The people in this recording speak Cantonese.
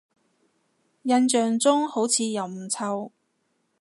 印象中好似又唔臭